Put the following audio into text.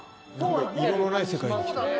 色のない世界に来た。